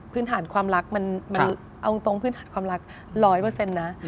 พื้นฐานความรักมันเอาตรงพื้นฐานความรัก๑๐๐นะ